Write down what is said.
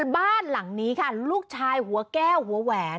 บ้านหลังนี้ค่ะลูกชายหัวแก้วหัวแหวน